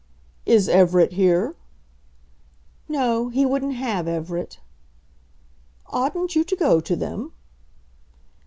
"Is Everett here?" "No; he wouldn't have Everett." "Oughtn't you to go to them?"